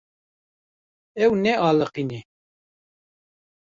Ew nealiqîne.